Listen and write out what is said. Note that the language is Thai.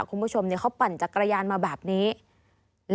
คุณผู้ชมเขาปั่นจักรยานมาแบบนี้